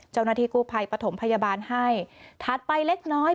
เจ้าหน้าที่กู้ภัยปฐมพยาบาลให้ถัดไปเล็กน้อย